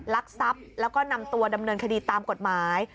ลักทรัพย์แล้วก็นำตัวดำเนินคดีตามกฎหมาย